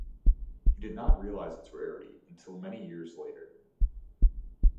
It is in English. He did not realize its rarity until many years later.